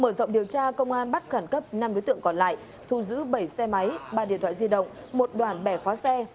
cộng điều tra công an bắt khẳng cấp năm đối tượng còn lại thu giữ bảy xe máy ba điện thoại di động một đoàn bè khóa xe